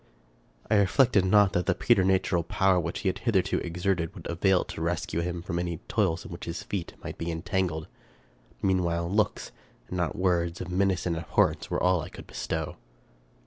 I reflected not that the preternatural power which he had hitherto exerted would avail to rescue him from any toils in which his feet might be entangled. Meanwhile, looks, and not words, of menace and abhorrence, were all that I could bestow.